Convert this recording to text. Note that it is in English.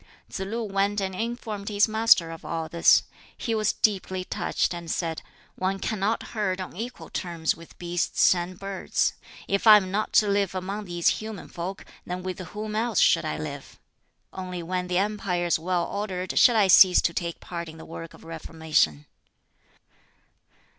Tsz lu went and informed his Master of all this. He was deeply touched, and said, "One cannot herd on equal terms with beasts and birds: if I am not to live among these human folk, then with whom else should I live? Only when the empire is well ordered shall I cease to take part in the work of reformation."